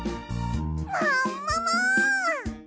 ももも！